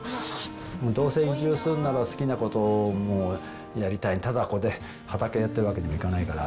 どうせ移住するなら、好きなこともやりたい、ただここで畑やってるわけにもいかないから。